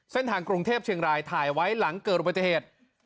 เส้นทางกรุงเทพเชียงรายถ่ายไว้หลังเกิดอุบัติเหตุ